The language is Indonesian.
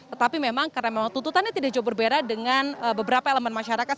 tetapi memang karena memang tuntutannya tidak jauh berbeda dengan beberapa elemen masyarakat